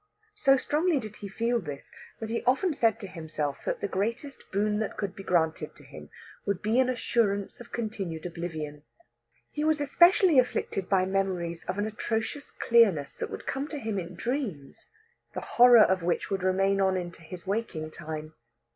So strongly did he feel this that he often said to himself that the greatest boon that could be granted to him would be an assurance of continued oblivion. He was especially afflicted by memories of an atrocious clearness that would come to him in dreams, the horror of which would remain on into his waking time.